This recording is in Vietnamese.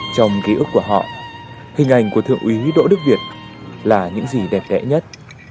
trong ký ức của họ hình ảnh của thượng úy đỗ đức việt là những gì đẹp đẽ nhất